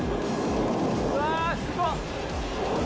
うわすごっ。